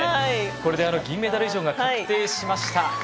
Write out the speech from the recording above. これで銀メダル以上が確定しました。